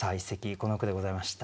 この句でございました。